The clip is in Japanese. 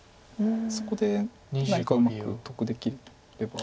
そこで何かうまく得できれば。